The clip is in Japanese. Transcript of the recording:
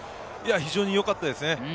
非常によかったですね。